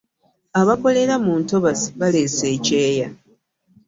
Abakolera mu ntobazi baleese ekyeya.